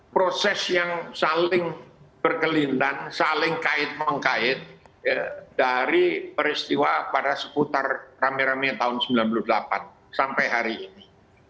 proses yang saling berkelindan saling kait mengkait dari peristiwa pada seputar rame rame tahun seribu sembilan ratus sembilan puluh delapan sampai hari ini